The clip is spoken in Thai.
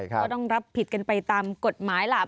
ก็ต้องรับผิดกันไปตามกฎหมายล่ะ